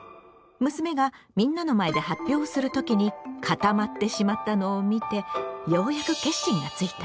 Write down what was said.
娘がみんなの前で発表をする時に固まってしまったのを見てようやく決心がついた。